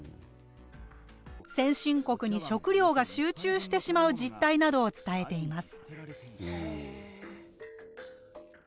先進国に食料が集中してしまう実態などを伝えています。